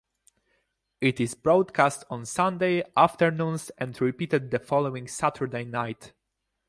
It is broadcast on Sunday afternoons and repeated the following Saturday night.